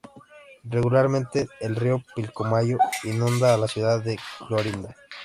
Regularmente el río Pilcomayo inunda a la ciudad de Clorinda.